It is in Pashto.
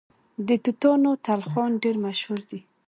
د توتانو تلخان ډیر مشهور دی.